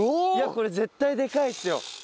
これ絶対でかいですよ。